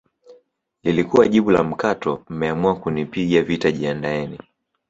lilikuwa jibu la mkato mmeamua kunipiga vita jiandaeni